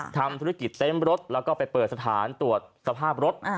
ทำธุรกิจเต็มรถแล้วก็ไปเปิดสถานตรวจสภาพรถ